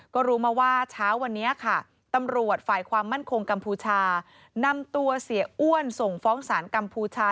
ก็รู้มาว่าเช้าวันนี้ค่ะตำรวจฝ่ายความมั่นคงกัมพูชานำตัวเสียอ้วนส่งฟ้องศาลกัมพูชา